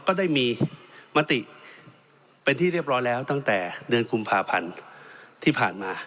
ก็ได้มีมติเป็นที่เรียบร้อยแล้วตั้งแต่เดือนกุมภาพันธ์ที่ผ่านมา